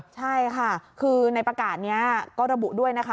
ใช่ค่ะคือในประกาศนี้ก็ระบุด้วยนะคะ